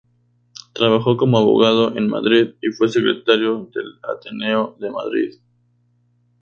Trabajó como abogado en Madrid y fue secretario del Ateneo de Madrid.